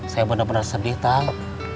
saya bener bener sedih tang